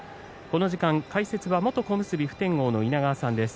この時間、解説は元小結普天王の稲川さんです。